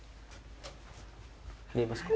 見えますか？